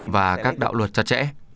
và các đạo luật chặt chẽ